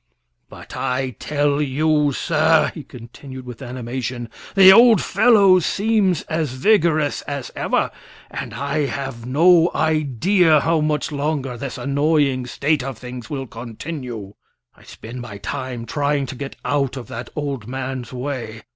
But I tell you, sir," he continued, with animation, "the old fellow seems as vigorous as ever, and I have no idea how much longer this annoying state of things will continue. I spend my time trying to get out of that old man's way.